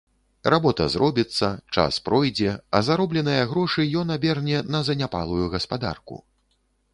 Работа зробіцца, час пройдзе, а заробленыя грошы ён аберне на заняпалую гаспадарку.